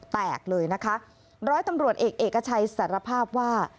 แตกเลยนะคะร้อยตำรวจเอกเอกชัยสารภาพว่า